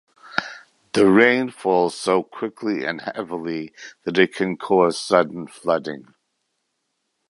The rain fall so quickly and heavily that it can cause sudden flooding.